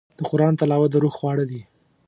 د قرآن تلاوت د روح خواړه دي.